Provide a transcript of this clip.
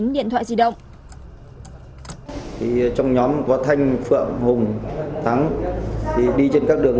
hai mươi chín điện thoại di động